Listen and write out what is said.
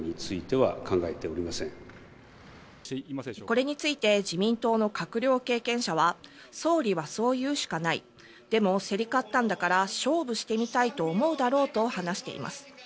これについて自民党の閣僚経験者は総理はそう言うしかないでも、競り勝ったんだから勝負してみたいと思うだろうと話しています。